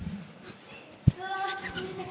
実はすみません